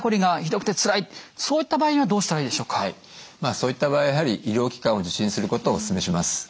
そういった場合はやはり医療機関を受診することをお勧めします。